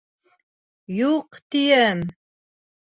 Юҡ, тием!